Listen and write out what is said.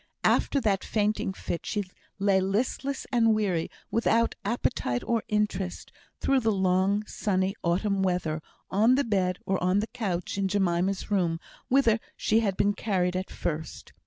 After that fainting fit, she lay listless and weary, without appetite or interest, through the long sunny autumn weather, on the bed or on the couch in Jemima's room, whither she had been carried at first.